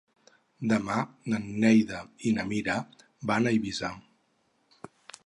Demà na Neida i na Mira van a Eivissa.